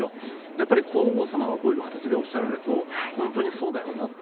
やっぱり皇后さまがこういう形でおっしゃられると、本当にそうだよなと。